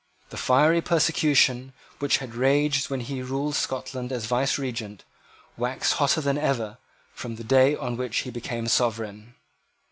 The fiery persecution, which had raged when he ruled Scotland as vicegerent, waxed hotter than ever from the day on which he became sovereign.